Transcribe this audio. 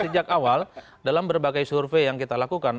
sejak awal dalam berbagai survei yang kita lakukan